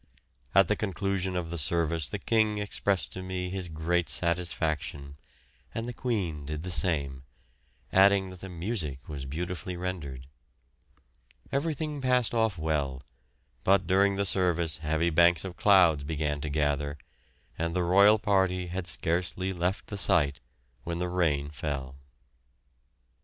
At the conclusion of the service the King expressed to me his great satisfaction, and the Queen did the same, adding that the music was beautifully rendered. Everything passed off well, but during the service heavy banks of clouds began to gather, and the royal party had scarcely left the site when the rain fell.